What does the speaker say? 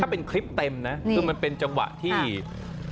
ถ้าเป็นคลิปเต็มนะนี่คือมันเป็นจังหวะที่ค่ะ